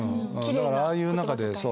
だからああいう中でそう。